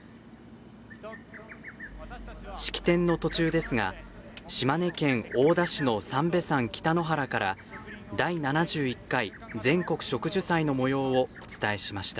式典の途中ですが島根県大田市の三瓶山北の原から「第７１回全国植樹祭」のもようをお伝えしました。